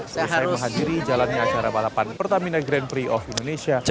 selesai menghadiri jalannya acara balapan pertamina grand prix of indonesia